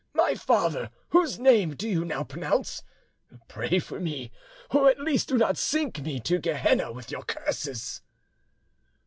my father, whose name do you now pronounce? Pray for me, or at least do not sink me to Gehenna with your curses!"